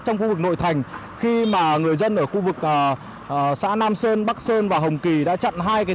trong khu vực nội thành khi mà người dân ở khu vực xã nam sơn bắc sơn và hồng kỳ đã chặn hai cái